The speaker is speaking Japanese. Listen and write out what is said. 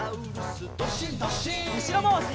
うしろまわし。